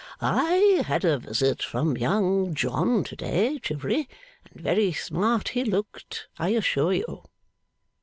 'I had a visit from Young John to day, Chivery. And very smart he looked, I assure you.